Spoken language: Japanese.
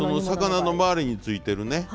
魚の周りについてるね